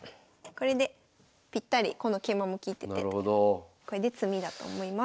これでぴったりこの桂馬も利いててこれで詰みだと思います。